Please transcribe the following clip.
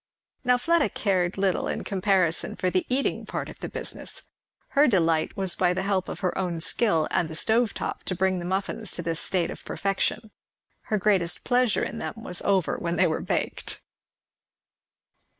Now Fleda cared little in comparison for the eating part of the business; her delight was by the help of her own skill and the stove top to bring the muffins to this state of perfection; her greatest pleasure in them was over when they were baked.